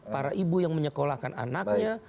para ibu yang menyekolahkan anaknya